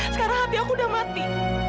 sekarang hati aku udah mati